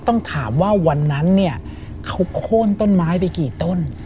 ต้องถามว่าวันนั้นเนี่ยเขาโค้นต้นไม้ไปกี่ต้น